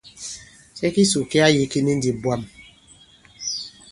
Cɛ kisò ki a yī ki ni ndī bwâm.